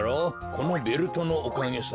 このベルトのおかげさ。